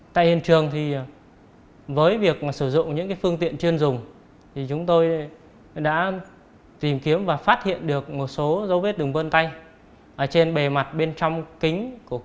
tại hiện trường với việc sử dụng những phương tiện chuyên dùng chúng tôi đã tìm kiếm và phát hiện được một số dấu hiệu vết hình vân tay trên kính